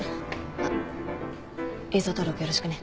あっ映像登録よろしくね。